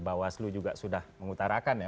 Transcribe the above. tadi dari bawah aslu juga sudah mengutarakan ya